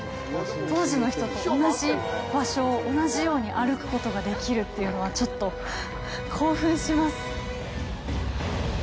当時の人と同じ場所を同じように歩くことができるっていうのは、ちょっと興奮します！